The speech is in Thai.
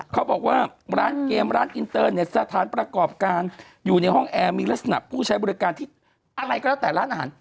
เขาบอกว่าร้านเกมร้านอินเตอร์เนี่ยสถานประกอบการอยู่ในห้องแอร์มีลักษณะผู้ใช้บริการที่อะไรก็แล้วแต่ร้านอาหาร